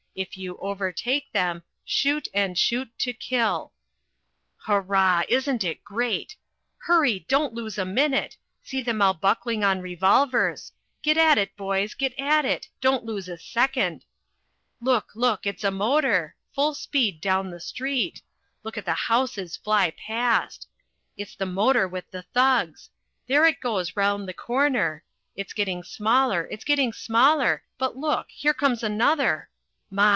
IF YOU OVERTAKE THEM, SHOOT AND SHOOT TO KILL." Hoorah! Isn't it great hurry! don't lose a minute see them all buckling on revolvers get at it, boys, get at it! Don't lose a second Look, look it's a motor full speed down the street look at the houses fly past it's the motor with the thugs there it goes round the corner it's getting smaller, it's getting smaller, but look, here comes another my!